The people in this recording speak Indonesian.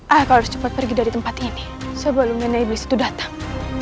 aku harus cepat pergi dari tempat ini sebelumnya neblis itu datang